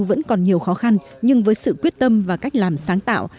mặc dù vẫn còn nhiều khó khăn nhưng với sự quyết tâm và cách làm sáng tạo